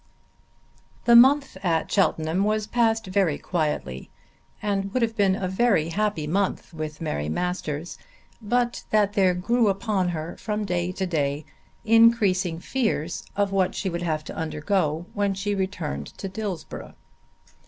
The month at Cheltenham was passed very quietly and would have been a very happy month with Mary Masters but that there grew upon her from day to day increasing fears of what she would have to undergo when she returned to Dillsborough.